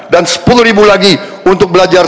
dan sepuluh ribu lagi untuk belajar